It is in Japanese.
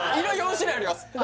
色４種類あります